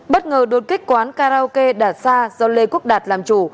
bất ngờ đột kích quán karaoke đạt sa do lê quốc đạt làm chủ